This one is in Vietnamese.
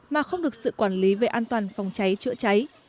mà không được sự quản lý về an toàn phòng cháy chữa cháy